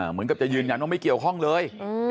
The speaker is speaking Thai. เหมือนกับจะยืนยันว่าไม่เกี่ยวข้องเลย